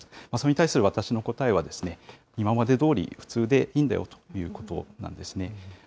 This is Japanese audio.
それに対する私の答えはですね、今までどおり、普通でいいんだよということなんですね。